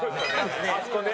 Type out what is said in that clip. あそこね。